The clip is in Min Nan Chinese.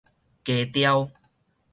低調